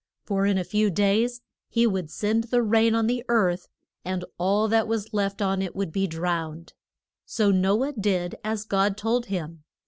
For in a few days he would send the rain on the earth, and all that was left on it would be drowned. [Illustration: THE ARK] So No ah did as God told him.